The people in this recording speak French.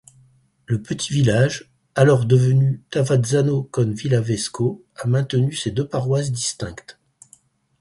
Le petit village, alors devenu Tavazzano con Villavesco, a maintenu ses deux paroisses distinctes.